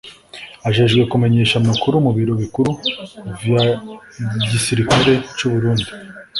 ajejwe kumenyesha amakuru mu biro bikuru vy'igisirikare c'u Burundi